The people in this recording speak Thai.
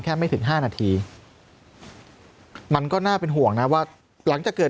ไม่ถึงห้านาทีมันก็น่าเป็นห่วงนะว่าหลังจากเกิด